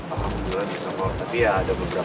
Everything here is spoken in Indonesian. alhamdulillah bisa kok tapi ya ada beberapa